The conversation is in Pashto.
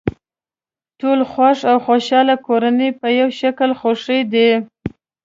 ټولې خوښ او خوشحاله کورنۍ په یوه شکل خوښې دي.